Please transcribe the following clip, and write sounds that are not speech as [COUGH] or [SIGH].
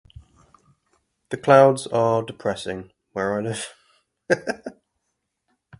The clouds are depressing where I live. [LAUGHS]